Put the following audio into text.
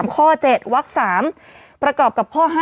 ข้อ๗วัก๓ประกอบกับข้อ๕